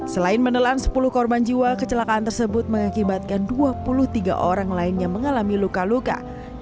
selain menelan sepuluh korban jiwa kecelakaan tersebut mengakibatkan dua puluh tiga orang lainnya mengalami luka luka